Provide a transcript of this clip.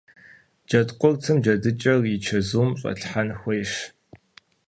Джэдкъуртым джэдыкӀэр и чэзум щӀэлъхьэн хуейщ.